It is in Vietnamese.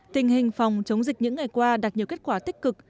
tình hình phòng chống dịch những ngày qua đạt nhiều kết quả tích cực